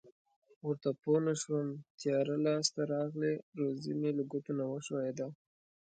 ورته پوه نشوم تیاره لاس ته راغلې روزي مې له ګوتو نه و ښویېده.